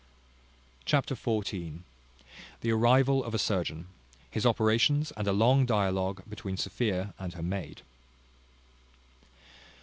Chapter xiv. The arrival of a surgeon. His operations, and a long dialogue between Sophia and her maid.